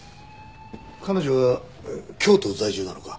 彼女は京都在住なのか？